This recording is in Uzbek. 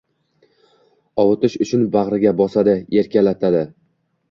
Ovutish uchun bag‘riga bosadi, erkalatadi